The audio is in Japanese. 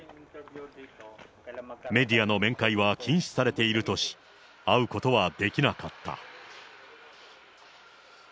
メディアの面会は禁止されているとし、会うことはできなかった。